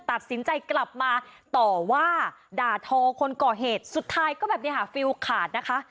ตัดสินใจกลับมาต่อว่าด่าทอคนก่อเหตุสุดท้ายก็แบบนี้ค่ะฟิลขาดนะคะ